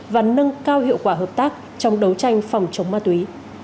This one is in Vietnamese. và nâng cao hiệu quả hợp tác trong đấu tranh phòng chống ma túy